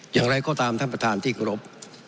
อย่างไรก็ตามท่านประธานที่เคารพ